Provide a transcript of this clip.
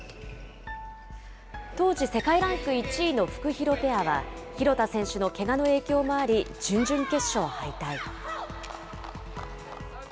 当時、世界ランク１位のフクヒロペアは、廣田選手のけがの影響もあり、準々決勝敗退。